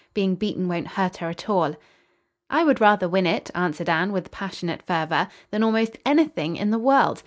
Being beaten won't hurt her at all." "I would rather win it," answered Anne, with passionate fervor, "than almost anything in the world.